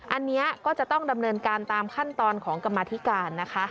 อันนี้ก็จะต้องดำเนินการตามขั้นตอนของกรรมธิการนะคะ